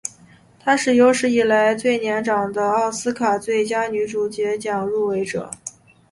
她是有史以来最年长的奥斯卡最佳女主角奖入围者。